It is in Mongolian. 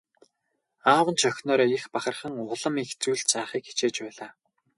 Аав нь ч охиноороо их бахархан улам их зүйл заахыг хичээж байлаа.